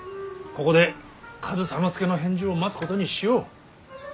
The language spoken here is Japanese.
ここで上総介の返事を待つことにしよう。